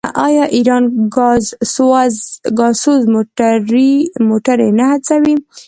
آیا ایران ګازسوز موټرې نه هڅوي؟